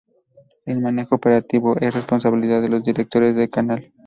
El manejo operativo es responsabilidad de los directores del canal.